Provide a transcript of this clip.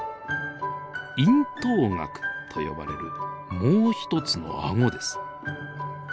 咽頭顎と呼ばれるもう一つの顎です。